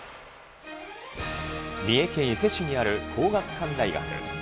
三重県伊勢市にある皇學館大学。